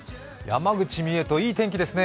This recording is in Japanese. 山口、三重といい天気ですね